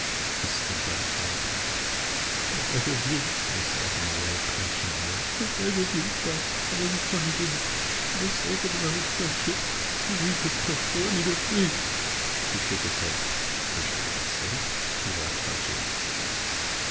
He stood by the fire place. " I beg of you/' I said, in a low, passionate voice, " I beg of you, by all you find dear, for the sake of our old friendship, to leave this place, to let me go free," He shook his head. " For Jacquette's sake ?" He laughed harshly.